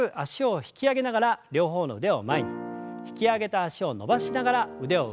引き上げた脚を伸ばしながら腕を上。